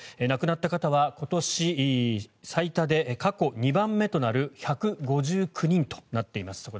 亡くなった方は今年最多で過去２番目となる１５９人となっています。